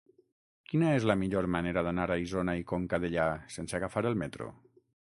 Quina és la millor manera d'anar a Isona i Conca Dellà sense agafar el metro?